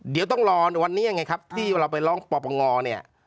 เดี๋ยวต้องรอวันนี้ยังไงครับที่เราไปร้องปปงเนี่ย